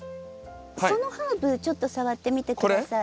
そのハーブちょっと触ってみて下さい。